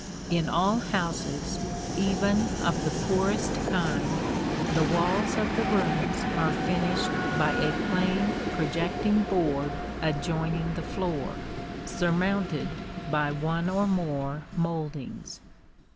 In all houses, even of the poorest kind, the walls of the rooms are finished by a plain projecting board adjoining the floor, surmounted by one or more mouldings.